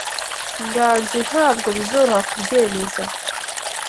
nganji ntabwo bizoroha kubyemeza.